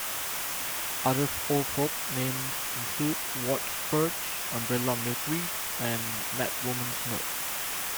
Other old folk names include wart spurge, umbrella milkweed and "madwoman's milk".